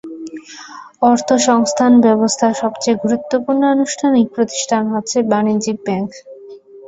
অর্থসংস্থান ব্যবস্থার সবচেয়ে গুরুত্বপূর্ণ আনুষ্ঠানিক প্রতিষ্ঠান হচ্ছে বাণিজ্যিক ব্যাংক।